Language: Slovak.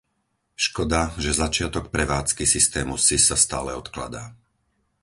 Škoda, že začiatok prevádzky systému Sis sa stále odkladá.